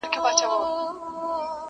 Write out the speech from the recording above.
را ستنیږي به د وینو سېل وهلي،